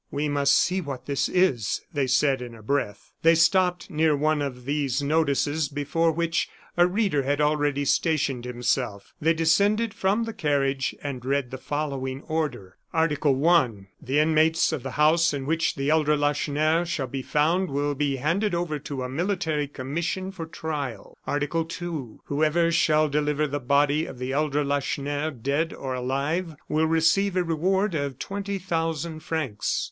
"We must see what this is," they said, in a breath. They stopped near one of these notices, before which a reader had already stationed himself; they descended from the carriage, and read the following order: "article I. The inmates of the house in which the elder Lacheneur shall be found will be handed over to a military commission for trial. "article II. Whoever shall deliver the body of the elder Lacheneur, dead or alive, will receive a reward of twenty thousand francs."